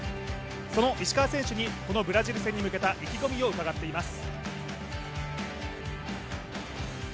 その石川選手にこのブラジル戦に向けた意気込みを伺っています。